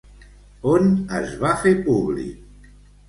On es va fer públic?